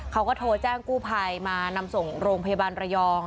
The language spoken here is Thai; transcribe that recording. เขาก็โทรแจ้งกู้ภัยมานำส่งโรงพยาบาลระยอง